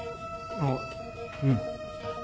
あっうん。